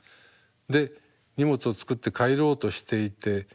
で荷物を作って帰ろうとしていて「ちょっと待って。